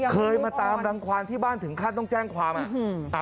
อ๋อเคยมาตามรังความที่บ้านถึงค่าต้องแจ้งความอ่ะอ่า